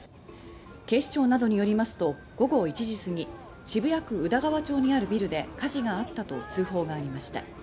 警視庁などによりますと午後１時すぎ渋谷区宇田川町にあるビルで火事があったと通報がありました。